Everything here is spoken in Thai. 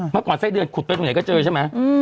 เมื่อก่อนไส้เดือนขุดไปตรงไหนก็เจอใช่ไหม